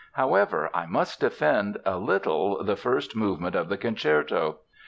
However, I must defend a little the first movement of the concerto.